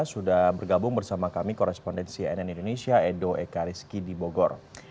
sudah bergabung bersama kami korespondensi nn indonesia edo ekariski di bogor